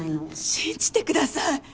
信じてください！